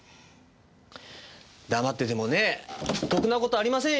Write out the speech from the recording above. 黙っててもね得なことありませんよ。